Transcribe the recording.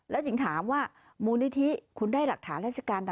แล้วหญิงถามว่ามูลนิธิคุณได้หลักฐานราชการ